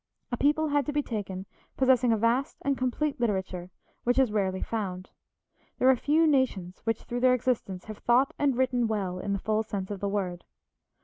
A people had to be taken possessing a vast and complete literature, which is rarely found. There are few nations which, throughout their existence, have thought and written well in the full sense of the word.